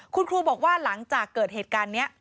คุณครูบอกว่าหลังจากเกิดเหตุการณ์นี้